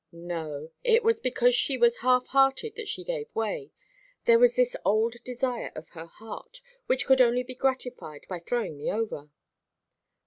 No, it was because she was half hearted that she gave way. There was this old desire of her heart, which could only be gratified by throwing me over."